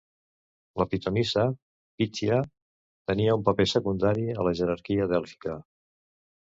La pitonissa, Pythía, tenia un paper secundari en la jerarquia dèlfica.